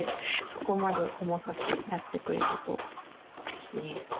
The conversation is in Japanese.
そこまで細かくやってくれると。